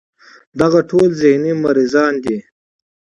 دغه ټول ذهني مريضان دي